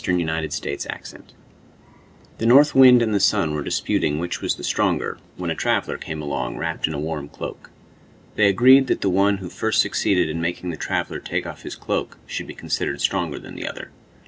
Orthographic version The North Wind and the Sun were disputing which was the stronger, when a traveler came along wrapped in a warm cloak. They agreed that the one who first succeeded in making the traveler take his cloak off should be considered stronger than the other.